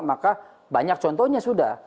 maka banyak contohnya sudah